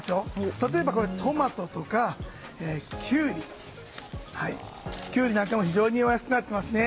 例えばトマトとかキュウリなんかも非常にお安くなっていますね。